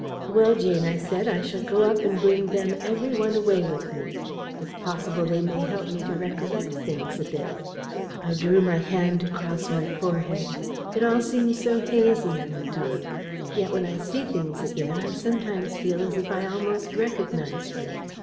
"Well, Jane," I said, "I shall go up and bring them every one away with me. It's possible they may help me to recollect things a bit." I drew my hand across my forehead. "It all seems so hazy," I went on. "Yet when I see things again, I sometimes feel as if I almost recognised them."